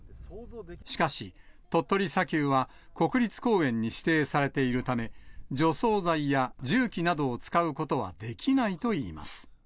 しかし、鳥取砂丘は国立公園に指定されているため、除草剤や重機などを使うことはできないといいます。